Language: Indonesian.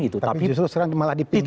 tapi justru sekarang malah dipilih